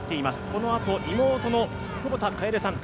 このあと妹の久保田かえでさん